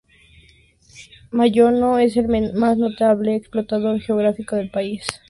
Moyano es el más notable explorador geógrafo del país.